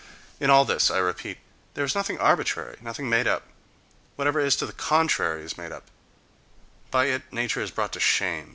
—In all this, I repeat, there is nothing arbitrary, nothing "made up"; whatever is to the contrary is made up—by it nature is brought to shame....